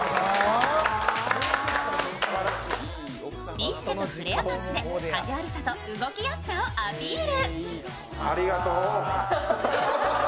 ビスチェとフレアパンツでカジュアルさと動きやすさをアピール。